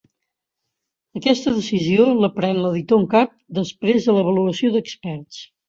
Aquesta decisió la pren l'editor en cap després de l'avaluació d'experts.